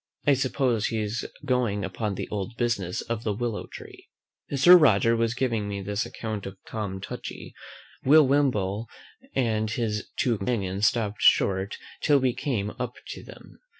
I suppose he is going upon the old business of the willow tree. As Sir Roger was giving me this account of Tom Touchy, Will Wimble and his two companions stopped short till we came up to them.